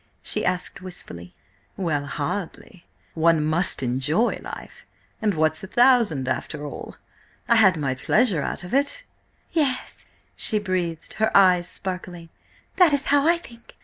she asked wistfully. "Well–hardly. One must enjoy life, and what's a thousand, after all? I had my pleasure out of it." "Yes!" she breathed, her eyes sparkling. "That is how I think!